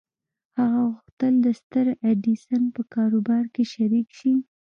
هغه غوښتل د ستر ايډېسن په کاروبار کې شريک شي.